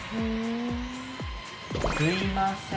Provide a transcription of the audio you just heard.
すいません。